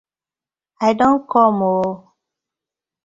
I don kom oo!!